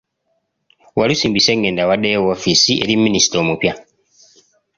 Walusimbi Ssengendo awaddeyo woofiisi eri minisita omupya.